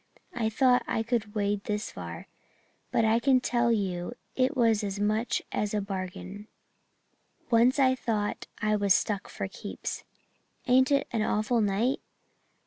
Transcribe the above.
I thought I could wade this far, but I can tell you it was as much as a bargain. Once I thought I was stuck for keeps. Ain't it an awful night?'